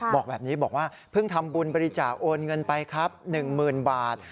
บอกแบบนี้บอกว่าเพิ่งทำบุญบริจาคโอนเงินไปครับ๑๐๐๐บาท